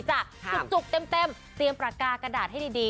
จุกเต็มเตรียมปากกากระดาษให้ดี